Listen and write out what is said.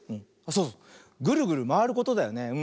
そうそうグルグルまわることだよね。